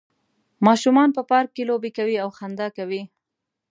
ماشومان په پارک کې لوبې کوي او خندا کوي